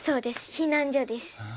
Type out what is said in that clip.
避難所です。